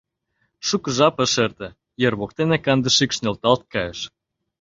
Шуко жап ыш эрте, ер воктене канде шикш нӧлталт кайыш.